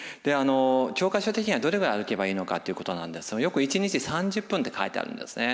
教科書的にはどれぐらい歩けばいいのかっていうことなんですけどよく１日で３０分って書いてあるんですね。